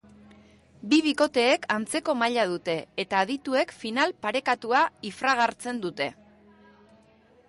Bi bikoteek antzeko maila dute eta adituek final parekatua ifragartzen dute.